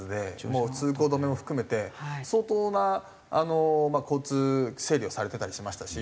もう通行止めも含めて相当な交通整理をされてたりしましたし。